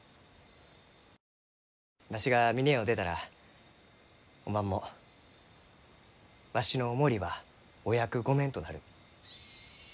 わしが峰屋を出たらおまんもわしのお守りはお役御免となる。